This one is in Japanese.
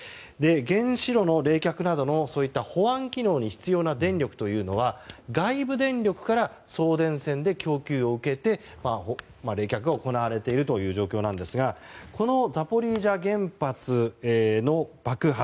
原子炉の冷却などのそういった保安機能に必要な電力というのは外部電力から送電線で供給を受けて冷却が行われているという状況なんですがこのザポリージャ原発の爆破